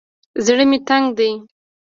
زړه مې تنګ دى.